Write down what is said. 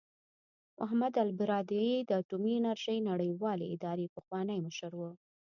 محمد البرادعي د اټومي انرژۍ نړیوالې ادارې پخوانی مشر و.